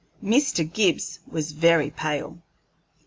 Mr. Gibbs was very pale.